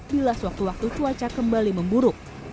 bila sewaktu waktu cuaca kembali memburuk